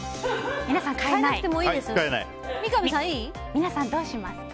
皆さん、どうしますか？